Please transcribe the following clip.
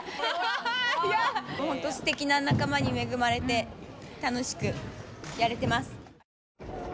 すてきな仲間に恵まれて楽しくやれてます。